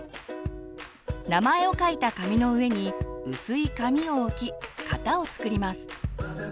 名前を書いた紙の上に薄い紙を置き型を作ります。